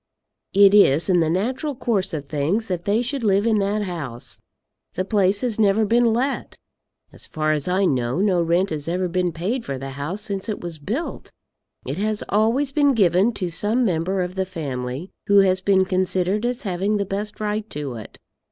It is in the natural course of things that they should live in that house. The place has never been let. As far as I know, no rent has ever been paid for the house since it was built. It has always been given to some member of the family, who has been considered as having the best right to it.